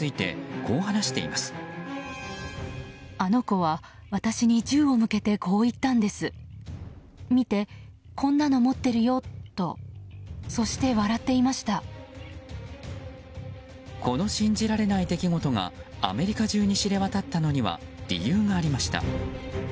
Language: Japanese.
この信じられない出来事がアメリカ中に知れ渡ったのには理由がありました。